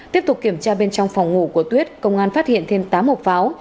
tiếp tục kiểm tra bên trong phòng ngủ của tuyết công an phát hiện thêm tám hộp pháo